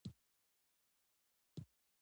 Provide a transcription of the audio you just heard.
د هغوی د غورځېدو ننداره یې کوله.